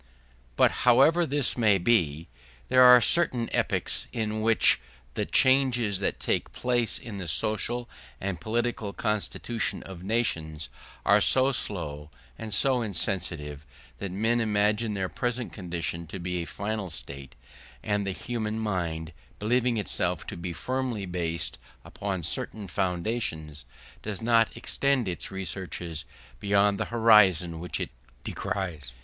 But however this may be, there are certain epochs at which the changes that take place in the social and political constitution of nations are so slow and so insensible that men imagine their present condition to be a final state; and the human mind, believing itself to be firmly based upon certain foundations, does not extend its researches beyond the horizon which it descries.